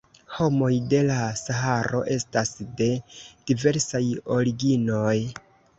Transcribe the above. Homoj de la Saharo estas de diversaj originoj.